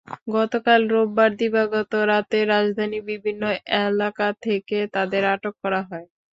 গতকাল রোববার দিবাগত রাতে রাজধানীর বিভিন্ন এলাকা থেকে তাদের আটক করা হয়।